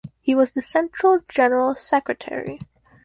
He was the Central General Secretary.